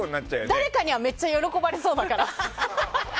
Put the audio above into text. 誰かにはめっちゃ喜ばれそうだから。